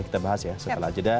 kita bahas ya setelah jeda